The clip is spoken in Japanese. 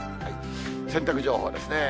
洗濯情報ですね。